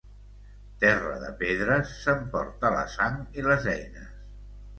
Terra de pedres s'emporta la sang i les eines.